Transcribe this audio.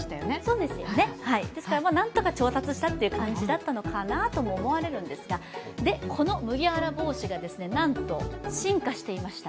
そうですよね、ですからなんとか調達したという感じなのかなと思われましたがこの麦わら帽子が、なんと進化していました。